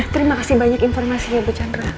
terima kasih banyak informasinya bu chandra